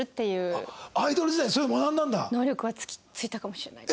能力はついたかもしれないです。